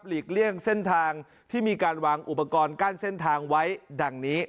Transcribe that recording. เลี่ยงเส้นทางที่มีการวางอุปกรณ์กั้นเส้นทางไว้ดังนี้